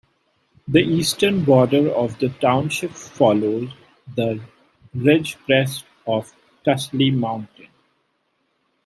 The eastern border of the township follows the ridgecrest of Tussey Mountain.